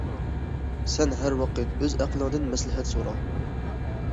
سەن ھەر ۋاقىت ئۆز ئەقلىڭدىن مەسلىھەت سورا!